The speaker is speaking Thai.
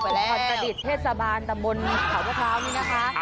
อ๋อศุนทรดิษฐ์เทศบาลตะบลขาวนี่นะคะ